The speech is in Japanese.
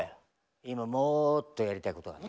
今もっとやりたいことがある。